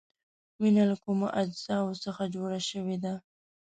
وینه له کومو اجزاوو څخه جوړه شوې ده؟